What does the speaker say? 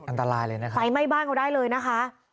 อันตรายเลยนะคะไฟไหม้บ้านเขาได้เลยนะคะ